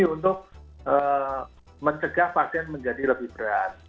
untuk mencegah pasien menjadi lebih berat